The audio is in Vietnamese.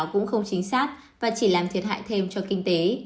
cũng không chính xác và chỉ làm thiệt hại thêm cho kinh tế